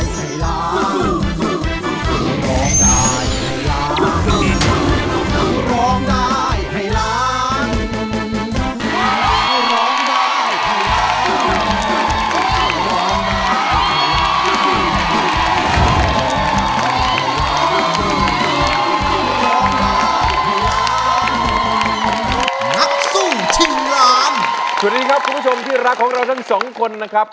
สู้ชิงล้านสวัสดีครับคุณผู้ชมที่รักของเราทั้งสองคนนะครับ